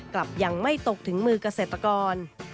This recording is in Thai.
กลับยังไม่ตกถึงมือเกษตรกร